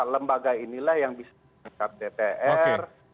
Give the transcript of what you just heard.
lembaga inilah yang bisa menangkap dpr